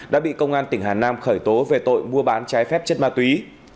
đã bị công an tỉnh hà nam khởi tố về tội mua bán trái phép chất ma túy